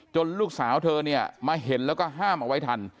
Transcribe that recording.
ลูกสาวเธอเนี่ยมาเห็นแล้วก็ห้ามเอาไว้ทัน